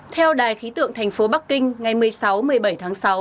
theo đài khí tượng thành phố bắc kinh ngày một mươi sáu một mươi bảy tháng sáu